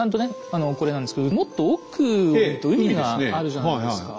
あのこれなんですけどもっと奥を見ると海があるじゃないですか。